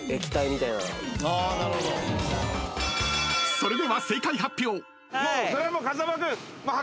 ［それでは正解発表］